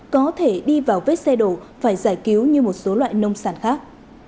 có thể đi vào vết xe đổ phải giải cứu như một số loại nông sản khác